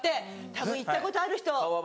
たぶん行ったことある人。